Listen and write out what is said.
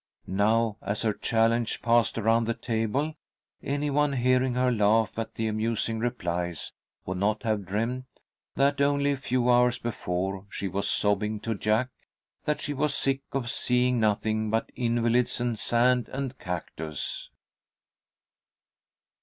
Now, as her challenge passed around the table, any one hearing her laugh at the amusing replies would not have dreamed that only a few hours before she was sobbing to Jack that she was sick of seeing nothing but invalids and sand and cactus.